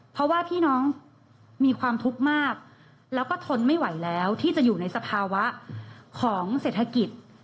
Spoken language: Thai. เพราะว่าพี่น้องมีความทุกข์มากแล้วก็ทนไม่ไหวแล้วที่จะอยู่ในสภาวะของเศรษฐกิจ